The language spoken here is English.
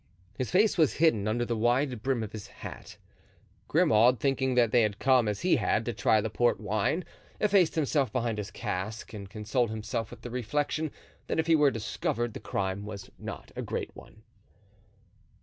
His face was hidden under the wide brim of his hat. Grimaud, thinking that they had come, as he had, to try the port wine, effaced himself behind his cask and consoled himself with the reflection that if he were discovered the crime was not a great one.